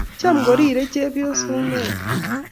Cham korire chebyosok neya.